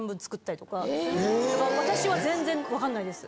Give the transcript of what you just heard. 私は全然分かんないです。